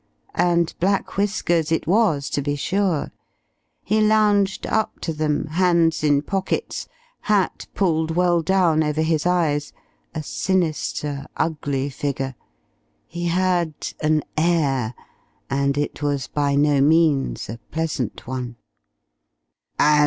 And Black Whiskers it was, to be sure. He lounged up to them, hands in pockets, hat pulled well down over his eyes, a sinister, ugly figure. He had an "air" and it was by no means a pleasant one.